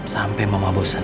sampai mama bosan